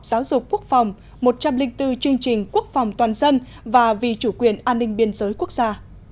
giáo dục quốc phòng một trăm linh bốn chương trình quốc phòng toàn dân và vì chủ quyền an ninh biên giới quốc gia